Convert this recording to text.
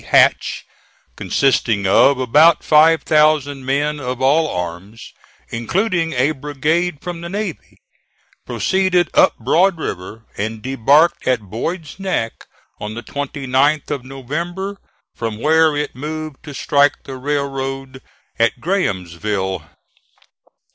Hatch, consisting of about five thousand men of all arms, including a brigade from the navy, proceeded up Broad River and debarked at Boyd's Neck on the 29th of November, from where it moved to strike the railroad at Grahamsville.